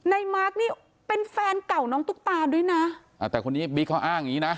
มาร์คนี่เป็นแฟนเก่าน้องตุ๊กตาด้วยนะอ่าแต่คนนี้บิ๊กเขาอ้างอย่างงี้นะ